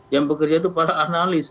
yang bekerja itu para analis